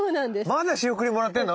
まだ仕送りもらってるの？